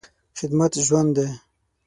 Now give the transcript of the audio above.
خدمت ژوند دی.